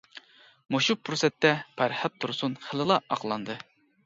مۇشۇ پۇرسەتتە پەرھات تۇرسۇن خېلىلا ئاقلاندى.